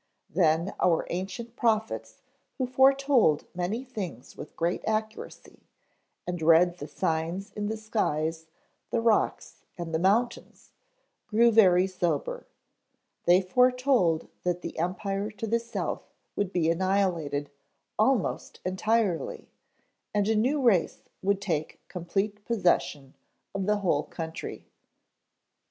Then our ancient prophets who foretold many things with great accuracy, and read the signs in the skies, the rocks, and the mountains, grew very sober. They foretold that the Empire to the south would be annihilated almost entirely and a new race would take complete possession of the whole country."